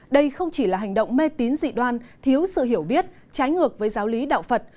đây không chỉ là hành động mê tín dị đoan thiếu sự hiểu biết trái ngược với giáo lý đạo phật